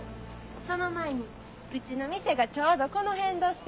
その前にうちの店がちょうどこの辺どしてな。